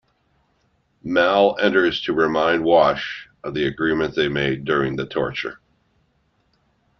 Mal enters to remind Wash of the agreement they made during the torture.